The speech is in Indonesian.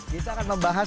kita akan membahas